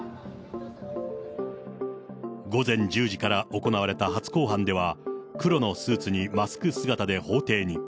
午前１０時から行われた初公判では、黒のスーツにマスク姿で法廷に。